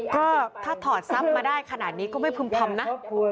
ก็ถ้าถอดทรัพย์มาได้ขนาดนี้ก็ไม่พึ่มพำนะ